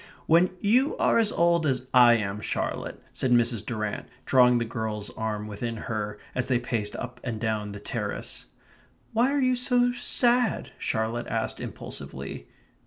"When you are as old as I am, Charlotte," said Mrs. Durrant, drawing the girl's arm within hers as they paced up and down the terrace. "Why are you so sad?" Charlotte asked impulsively.